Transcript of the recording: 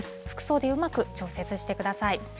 服装でうまく調節してください。